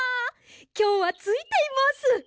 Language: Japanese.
きょうはついています。